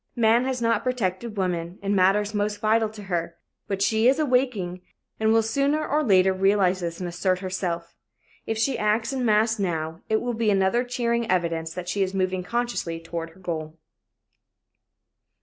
Man has not protected woman in matters most vital to her but she is awaking and will sooner or later realize this and assert herself. If she acts in mass now, it will be another cheering evidence that she is moving consciously toward her goal.